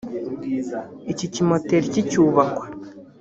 Iki kimpoteri kicyubakwa